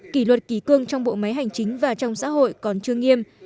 kỷ luật ký cương trong bộ máy hành chính và trong xã hội còn chưa nghiêm